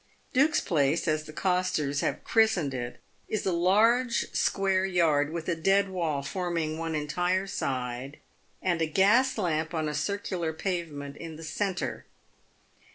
Duke's place, as the costers have christened it, is a large square yard, with a dead wall forming one entire side, and a gas lamp on a circular pavement in the centre.